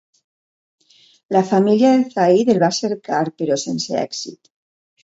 La família de Zayd el va cercar, però sense èxit.